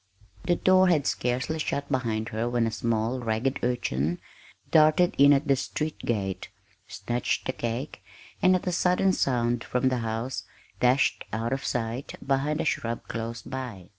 The door had scarcely shut behind her when a small, ragged urchin darted in at the street gate, snatched the cake, and, at a sudden sound from the house, dashed out of sight behind a shrub close by.